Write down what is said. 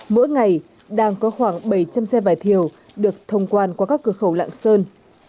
mỗi ngày đang có khoảng bảy trăm linh xe vải thiều được thông quan qua các cửa khẩu lạng sơn